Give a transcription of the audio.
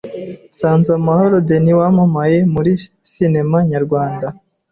Nsanzamahoro Denis wamamaye muri sinema nyarwanda